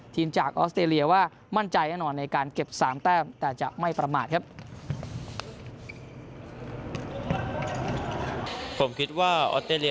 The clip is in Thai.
จากออสเตรเลียว่ามั่นใจแน่นอนในการเก็บ๓แต้มแต่จะไม่ประมาทครับ